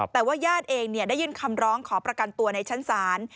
แต่ว่าญาติเองได้ยื่นคำร้องขอประกันตัวในชั้นศาล